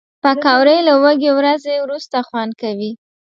پکورې له وږې ورځې وروسته خوند کوي